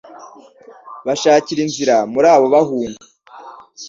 bashakira inzira muri abo bahunga.